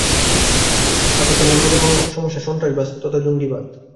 পাকিস্তানের অন্যতম সমস্যা সন্ত্রাসবাদ তথা জঙ্গিবাদ।